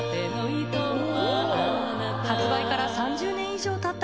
発売から３０年以上たった